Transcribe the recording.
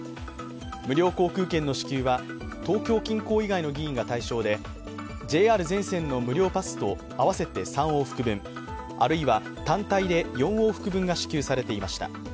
無料航空券の支給は東京近郊以外の議員が対象で、ＪＲ全線の無料パスは合わせて３往復分あるいは、単体で４往復分が支給されていました。